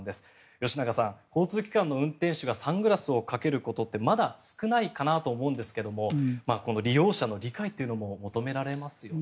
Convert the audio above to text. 吉永さん、交通機関の運転士がサングラスをかけることはまだ少ないかなと思うんですが利用者の理解というのも求められますね。